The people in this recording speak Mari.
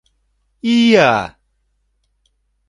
Ия!